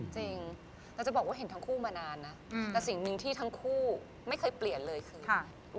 จริงแล้วจะบอกว่าเห็นทั้งคู่มานานนะแต่สิ่งหนึ่งที่ทั้งคู่ไม่เคยเปลี่ยนเลยคือ